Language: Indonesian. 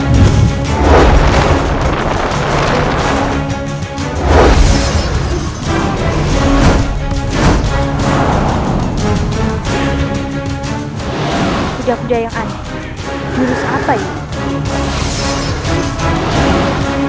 menurut siapa ini